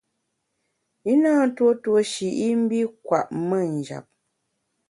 I na ntuo tuo shi i mbi kwet me njap.